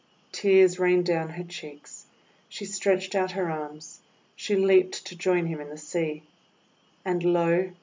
Tears rained down her cheeks. She stretched out her arms. She leaped to join him in the sea. And, lo!